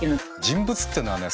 人物っていうのはね